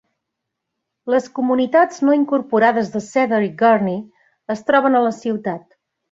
Les comunitats no incorporades de Cedar i Gurney es troben a la ciutat.